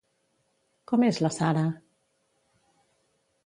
Com és la Sarah?